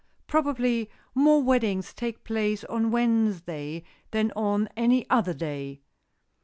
Probably more weddings take place on Wednesday than on any other day.